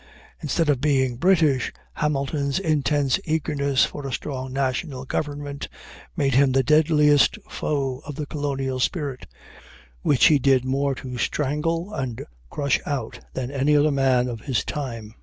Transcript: Instead of being "British," Hamilton's intense eagerness for a strong national government made him the deadliest foe of the colonial spirit, which he did more to strangle and crush out than any other man of his time.